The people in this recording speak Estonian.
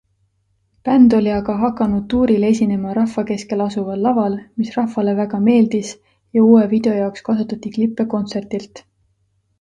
Bänd oli aga hakanud tuuril esinema rahva keskel asuval laval, mis rahvale väga meeldis, ja uue video jaoks kasutati klippe kontserdilt.